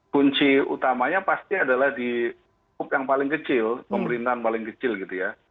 kunci utamanya pasti adalah di pup yang paling kecil pemerintahan paling kecil gitu ya